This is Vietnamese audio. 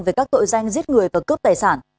về các tội danh giết người và cướp tài sản